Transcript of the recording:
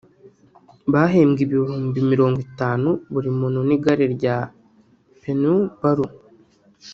bahembwe ibihumbi mirongo itanu buri muntu n’igare rya Pneu – Ballon